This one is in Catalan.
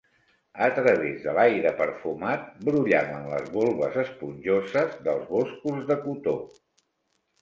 A través de l'aire perfumat, brollaven les volves esponjoses dels boscos de cotó.